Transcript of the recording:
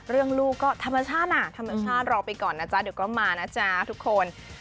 ลูกก็ธรรมชาติอ่ะธรรมชาติรอไปก่อนนะจ๊ะเดี๋ยวก็มานะจ๊ะทุกคน